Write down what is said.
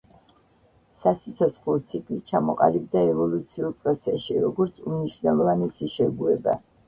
სასიცოცხლო ციკლი ჩამოყალიბდა ევოლუციურ პროცესში როგორც უმნიშვნელოვანესი შეგუება.